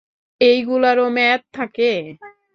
এইগুলারও মেয়াদ থাকে?